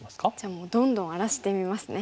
もうどんどん荒らしてみますね。